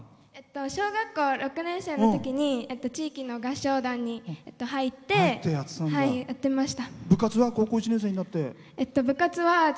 小学校６年生のときに地域の合唱団に入ってやってました。